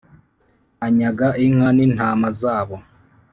anyaga inka n’intama zabo